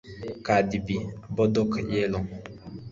Cardi B - Bodak Yellow